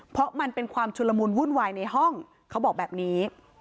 เพราะมันเป็นความชุลมุนวุ่นวายในห้องเขาบอกแบบนี้